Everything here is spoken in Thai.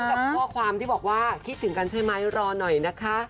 กับข้อความที่บอกว่าคิดถึงกันใช่ไหมรอหน่อยนะคะ